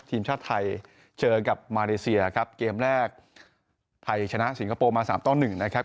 ทีมชาติไทยเจอกับมาเลเซียครับเกมแรกไทยชนะสิงคโปร์มาสามต่อหนึ่งนะครับ